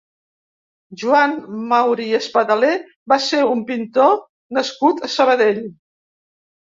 Joan Maurí i Espadaler va ser un pintor nascut a Sabadell.